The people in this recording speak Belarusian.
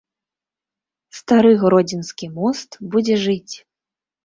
Стары гродзенскі мост будзе жыць!